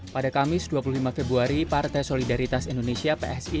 pada kamis dua puluh lima februari partai solidaritas indonesia psi